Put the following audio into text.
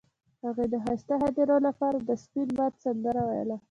هغې د ښایسته خاطرو لپاره د سپین باد سندره ویله.